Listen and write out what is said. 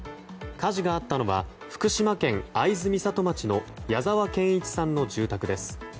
火事があったのは福島県会津美里町の谷沢建一さんの住宅です。